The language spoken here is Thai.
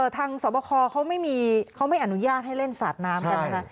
สอบคอเขาไม่อนุญาตให้เล่นสาดน้ำกันนะคะ